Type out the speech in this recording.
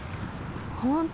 本当！